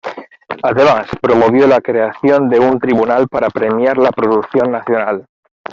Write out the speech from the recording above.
Además, promovió la creación de un tribunal para premiar la producción nacional.